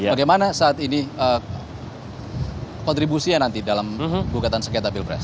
bagaimana saat ini kontribusinya nanti dalam gugatan sengketa pilpres